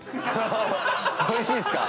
おいしいですか？